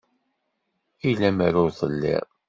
I lemmer ur telliḍ